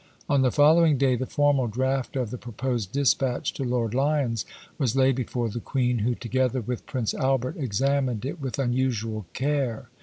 On the following day the formal draft of the pro posed dispatch to Lord Lyons was laid before the Queen, who, together with Prince Albert, examined it with unusual care.